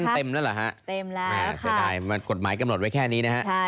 เต็มแล้วหรอฮะเสียดายกฎหมายกำหนดไว้แค่นี้นะฮะ